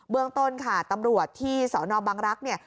เบื้องต้นค่ะตำรวจที่สนบังรักษณ์